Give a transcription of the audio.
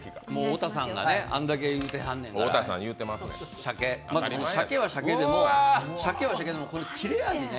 太田さんがあんだけ言うてはんのやから鮭は鮭でもこれ、切れ味ね。